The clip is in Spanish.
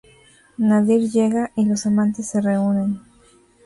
Nadir llega y los amantes se reúnen.